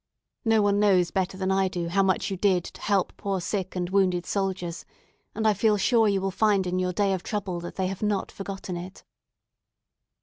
No one knows better than I do how much you did to help poor sick and wounded soldiers; and I feel sure you will find in your day of trouble that they have not forgotten it."